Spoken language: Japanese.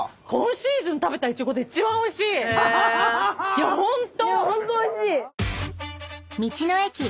いやホント！